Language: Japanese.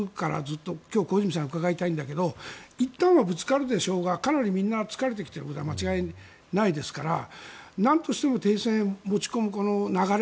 今日、小泉さんに伺いたいんだけどいったんはぶつかるでしょうがかなりみんな疲れてきているのは間違いないですからなんとしても停戦へ持ち込む流れ。